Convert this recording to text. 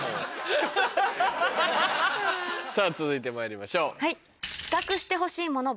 続いてまいりましょう。